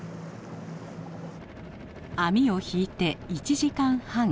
網を引いて１時間半。